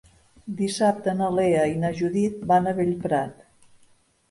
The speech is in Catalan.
Dissabte na Lea i na Judit van a Bellprat.